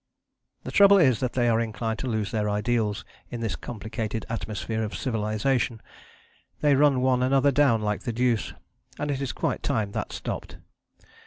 The trouble is that they are inclined to lose their ideals in this complicated atmosphere of civilization. They run one another down like the deuce, and it is quite time that stopped.